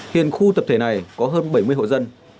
hiện khu tập thể này có hơn bảy mươi hộ dân